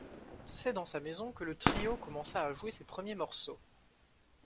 C'est dans sa maison que le trio commença à jouer ses premiers morceaux.